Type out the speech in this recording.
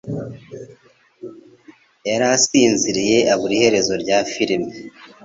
yarasinziriye abura iherezo rya firime.